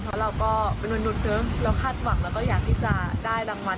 เพราะเราก็เป็นมนุษย์เนอะเราคาดหวังแล้วก็อยากที่จะได้รางวัล